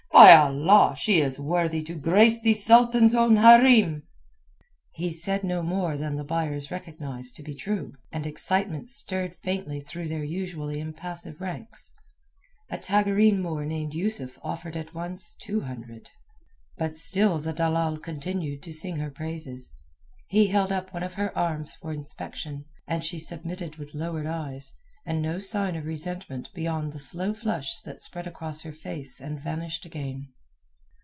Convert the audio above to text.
By Allah, she is worthy to grace the Sultan's own hareem." He said no more than the buyers recognized to be true, and excitement stirred faintly through their usually impassive ranks. A Tagareen Moor named Yusuf offered at once two hundred. But still the dalal continued to sing her praises. He held up one of her arms for inspection, and she submitted with lowered eyes, and no sign of resentment beyond the slow flush that spread across her face and vanished again.